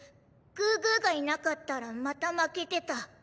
グーグーがいなかったらまた負けてた。